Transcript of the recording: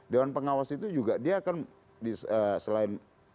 dewan pengawas itu juga dia akan selain memberikan standar